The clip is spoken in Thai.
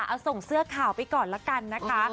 เอาส่งเสื้อขาวไปก่อนละกันนะคะ